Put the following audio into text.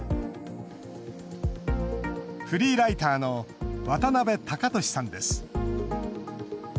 フリーライターの渡辺喬俊さんです。